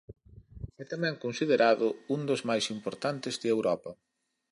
É tamén considerado un dos máis importantes de Europa.